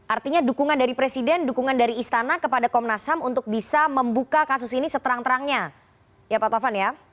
artinya dukungan dari presiden dukungan dari istana kepada komnas ham untuk bisa membuka kasus ini seterang terangnya ya pak taufan ya